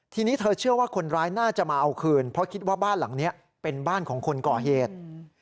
ทีนี้เธอเชื่อว่าคนร้ายน่าจะมาเอาคืนเพราะคิดว่าบ้านหลังนี้เป็นบ้านของคนก่อเหตุ